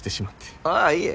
ああいえ。